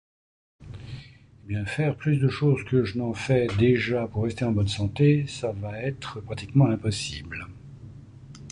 Bien, faire plus de choses que je n'en fais déjà pour rester en bonne santé ça va être pratiquement impossible.